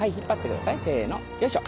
よいしょ。